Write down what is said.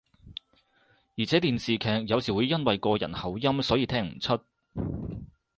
而且電視劇有時會因為個人口音所以聽唔出